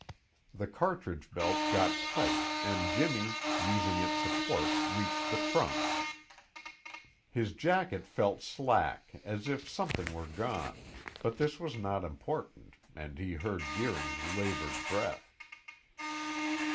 The cartridge belt got tight and Jimmy, using its support, reached the trunk. His jacket felt slack, as if something were gone, but this was not important and he heard Deering's labored breath.